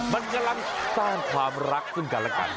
มันกำลังสร้างความรักซึ่งกันและกัน